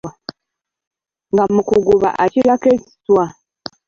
Nga mu kuguba akirako ekiswa.